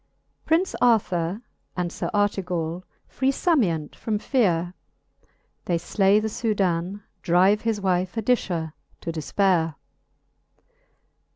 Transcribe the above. Prince Arthure and Sir Artegall Free Samient from feare : Ihey Jlay the Soudan^ drive his wife Adicia to defpaire, I.